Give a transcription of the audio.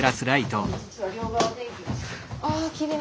ああきれい。